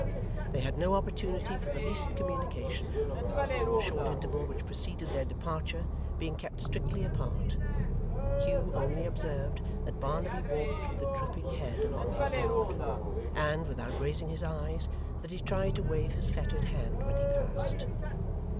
They had no opportunity for the least communication, in the short interval which preceded their departure; being kept strictly apart. Hugh only observed that Barnaby walked with a drooping head among his guard, and, without raising his eyes, that he tried to wave his fettered hand when he passed.